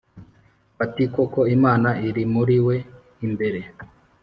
Bati:” Koko Imana iri muriwe imbere.”